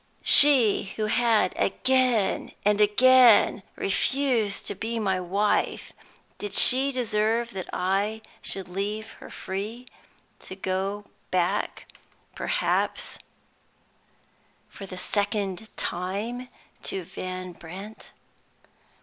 She who had again and again refused to be my wife did she deserve that I should leave her free to go back, perhaps, for the second time to Van Brandt?